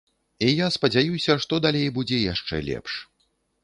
І я спадзяюся, што далей будзе яшчэ лепш.